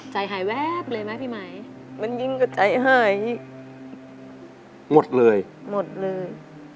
ใจหายแวบเลยไหมพี่ไหมมันยิ่งก็ใจหายหมดเลยหมดเลย